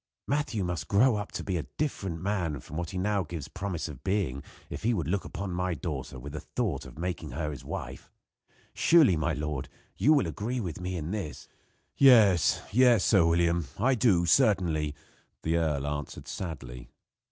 Matthew must grow up to be a different man from what he now gives promise of being if he would look upon my daughter with the thought of making her his wife. Surely, my lord, you will agree with me, in this?" "Yes, yes, Sir William, I do, certainly," the earl answered sadly.